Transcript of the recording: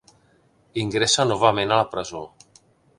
Ingressa novament a la presó.